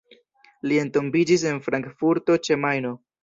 Li entombiĝis en Frankfurto ĉe Majno.